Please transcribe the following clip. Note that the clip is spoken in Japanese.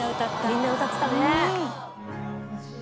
「みんな歌ってたね」